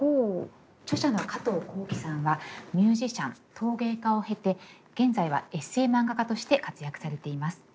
著者のカトーコーキさんはミュージシャン陶芸家を経て現在はエッセイ漫画家として活躍されています。